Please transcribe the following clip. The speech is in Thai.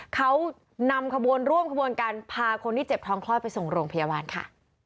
เขานำขบวนร่วมขบวนการพาคนที่เจ็บท้องคลอดไปส่งโรงพยาบาลค่ะ